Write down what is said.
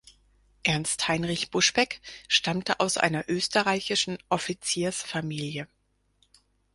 Ernst Heinrich Buschbeck stammte aus einer österreichischen Offiziersfamilie.